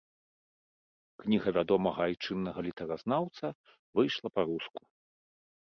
Кніга вядомага айчыннага літаратуразнаўца выйшла па-руску.